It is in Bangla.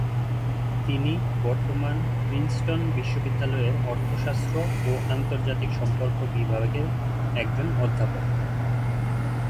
তিনি বর্তমানে প্রিন্সটন বিশ্ববিদ্যালয়ের অর্থশাস্ত্র ও আন্তর্জাতিক সম্পর্ক বিভাগের একজন অধ্যাপক।